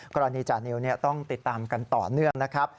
กรณีจานิวต้องติดตามกันต่อเนื่องนะครับ